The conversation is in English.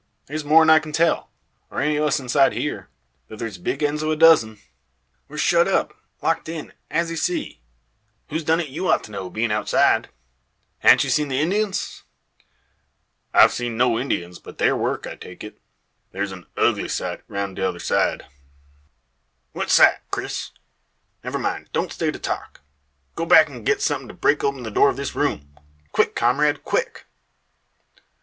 "Mean? That's more'n I can tell; or any o' us inside here; though there's big ends o' a dozen. We're shut up, locked in, as ye see. Who's done it you ought to know, bein' outside. Han't you seen the Indians?" "I've seen no Indians; but their work I take it. There's a ugly sight round t'other side." "What sight, Oris? Never mind don't stay to talk. Go back, and get something to break open the door of this room. Quick, comrade, quick!"